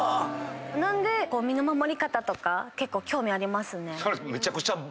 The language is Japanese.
なんで身の守り方とか結構興味ありますね。